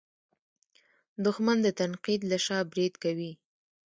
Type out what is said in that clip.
دښمن د تنقید له شا برید کوي